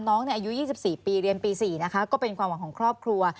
น้องอายุ๒๔ปีเรียนปี๔นะคะก็เป็นความหวังของครอบครัว